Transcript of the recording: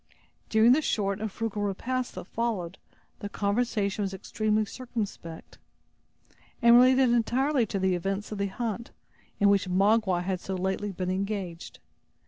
During the short and frugal repast that followed, the conversation was extremely circumspect, and related entirely to the events of the hunt, in which Magua had so lately been engaged.